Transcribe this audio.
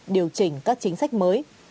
điều chỉnh các chính sách mới